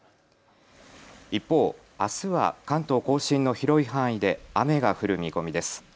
一方、あすは関東甲信の広い範囲で雨が降る見込みです。